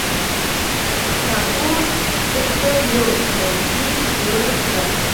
ټاګور دلته یو ښوونځي جوړ کړ.